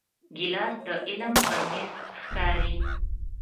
ګیلاس د علم پر میز ښکاري.